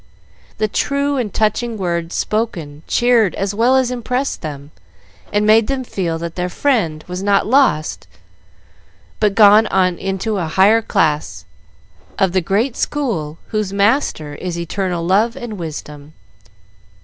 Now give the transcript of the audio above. The true and touching words spoken cheered as well as impressed them, and made them feel that their friend was not lost but gone on into a higher class of the great school whose Master is eternal love and wisdom.